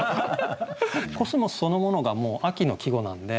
「コスモス」そのものが秋の季語なんで。